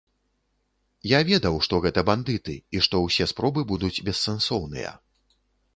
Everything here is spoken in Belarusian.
Я ведаў, што гэта бандыты і што ўсе спробы будуць бессэнсоўныя.